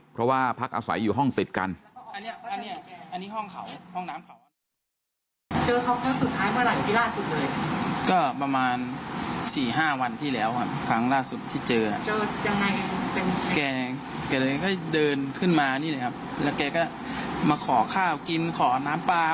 เพราะว่าพักอาศัยอยู่ห้องติดกัน